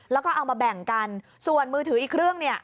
แล้วก็เอามาแบ่งกันส่วนมือถืออีกเครื่องเนี่ย